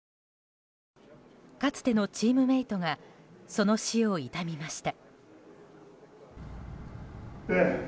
かつてのチームメートがその死を悼みました。